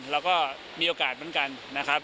เราก็มีโอกาสเหมือนกันนะครับ